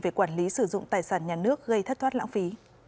về quản lý sử dụng tài sản nhà nước gây thất thoát lãng phí